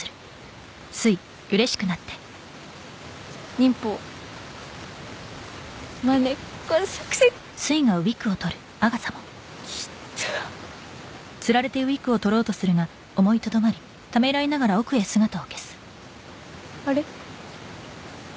忍法まねっこ作戦きたあれ？